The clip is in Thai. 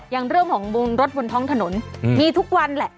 อย่างเรื่องของรถบนท้องถนนมีทุกวันแหละ